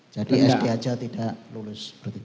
jadi sd aja tidak lulus